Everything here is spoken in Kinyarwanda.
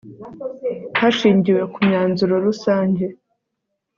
hashingiwe ku myanzuro rusange